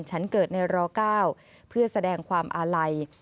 ฉันเกิดในร๙เพื่อแสดงความอาลัย